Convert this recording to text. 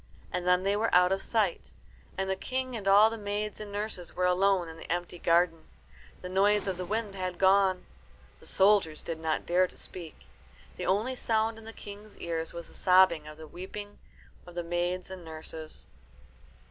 And then they were out of sight, and the King and all the maids and nurses were alone in the empty garden. The noise of the wind had gone. The soldiers did not dare to speak. The only sound in the King's ears was the sobbing and weeping of the maids and nurses.